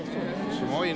すごいね。